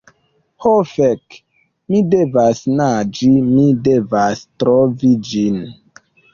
Ho fek! Mi devas naĝi, mi devas trovi ĝin.